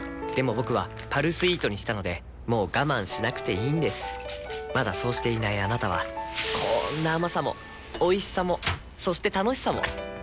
僕は「パルスイート」にしたのでもう我慢しなくていいんですまだそうしていないあなたはこんな甘さもおいしさもそして楽しさもあちっ。